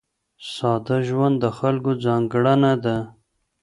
ساده ژوند د خلکو ځانګړنه ده.